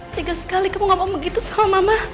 tiga sekali kamu gak mau begitu sama mama